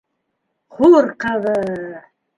Хур ҡыҙы!